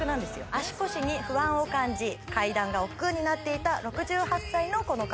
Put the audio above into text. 足腰に不安を感じ階段がおっくうになっていた６８歳のこの方